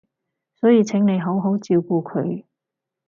所以請你好好照顧佢